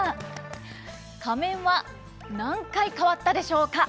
仮面は何回変わったでしょうか？